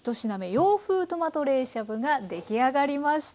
洋風トマト冷しゃぶが出来上がりました。